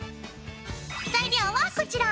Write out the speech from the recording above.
材料はこちら！